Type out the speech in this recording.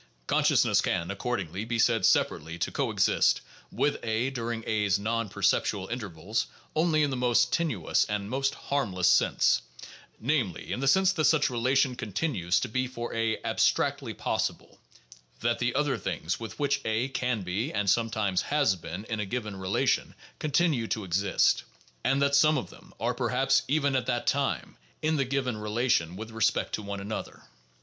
Consciousness can accordingly be said separately to coexist with A during A's non perceptual intervals only in the most tenuous and most harmless sense ; namely, in the sense that such relation continues to be for A ab stractly possible; that the other things with which A can be and sometimes has been in the given relation, continue to exist ; and that some of them are perhaps, even at that time, in the given relation with respect to one another.